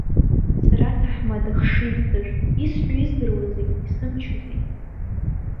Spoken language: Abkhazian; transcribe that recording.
Сара, аҭаҳмада хшыҩцажә, исҳәо издыруазеи, исымчузеи.